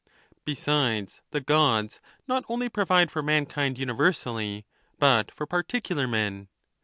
Besides, the Gods not only provide for mankind univer sally, but for particular men.